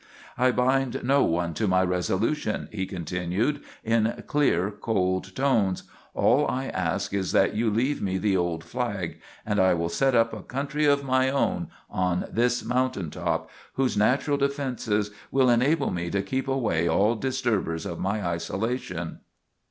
I bind no one to my resolution,' he continued in clear, cold tones; 'all I ask is that you leave me the old flag, and I will set up a country of my own on this mountain top, whose natural defenses will enable me to keep away all disturbers of my isolation.'